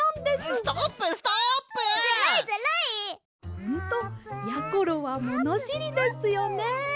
「ほんとやころはものしりですよね」。